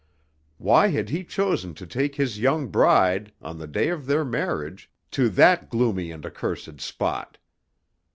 Why had he chosen to take his young bride, on the day of their marriage, to that gloomy and accursed spot?